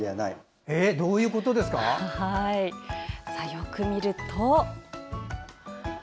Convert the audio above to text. よく見ると。